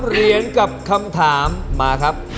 เหรียญกับคำถามมาครับ